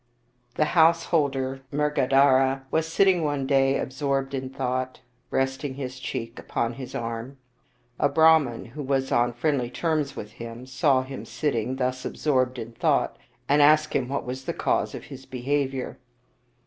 The householder Mrgadhara was sitting one day ab sorbed in thought, resting his cheek upon his arm. A Brahman, who was on friendly terms with him, saw him sit ting thus absorbed in thought, and asked him what was the cause of his behavior.